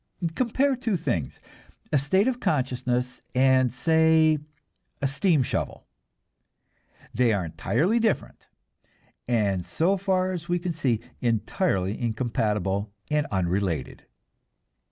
Compare the two things, a state of consciousness and say, a steam shovel. They are entirely different, and so far as we can see, entirely incompatible and unrelated.